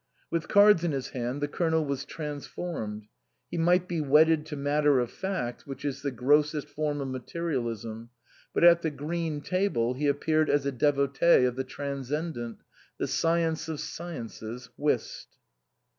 With cards in his hand the Colonel was transformed. He might be wedded to matter of fact, which is the grossest form of materialism ; but at the green table he appeared as a devotee of the transcendent, the science of sciences, Whist.